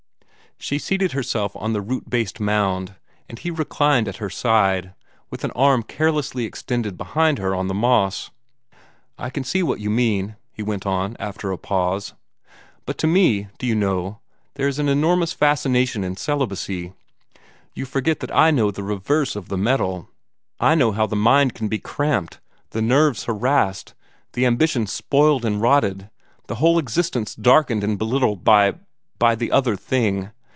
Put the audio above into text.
She seated herself on the root based mound, and he reclined at her side, with an arm carelessly extended behind her on the moss. "I can see what you mean," he went on, after a pause. "But to me, do you know, there is an enormous fascination in celibacy. You forget that I know the reverse of the medal. I know how the mind can be cramped, the nerves harassed, the ambitions spoiled and rotted, the whole existence darkened and belittled, by by the other thing.